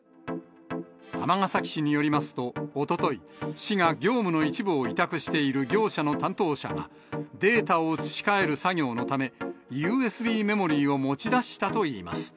尼崎市によりますと、おととい、市が業務の一部を委託している業者の担当者が、データを移し替える作業のため、ＵＳＢメモリを持ち出したといいます。